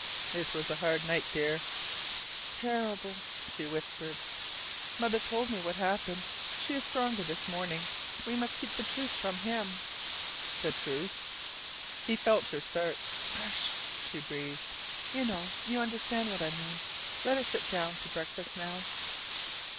"It was a hard night, dear." "Terrible," she whispered. "Mother told me what happened. She is stronger this morning. We must keep the truth from HIM." "The TRUTH?" He felt her start. "Hush!" she breathed. "You know you understand what I mean. Let us sit down to breakfast now."